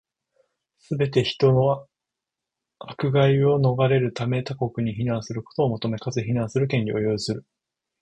すべて人は、迫害を免れるため、他国に避難することを求め、かつ、避難する権利を有する。